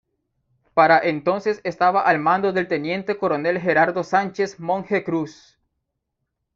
Para entonces estaba al mando del teniente coronel Gerardo Sánchez-Monje Cruz.